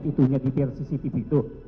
ibu ibunya di pr cctv itu